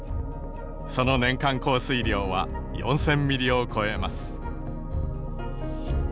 その年間降水量は４，０００ミリを超えます。